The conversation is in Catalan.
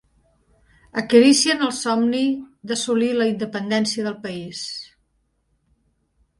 Acaricien el somni d'assolir la independència del país.